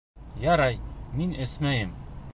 Ярай, мин эсмәйем.